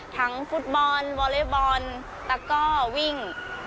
ทั้งฟุตบอลวอเลฟบอลตะกอลวิ่ง